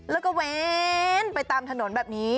แล้วก็เว้นไปตามถนนแบบนี้